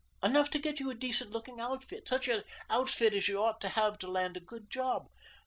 Enough to get you a decent looking outfit, such an outfit as you ought to have to land a good job.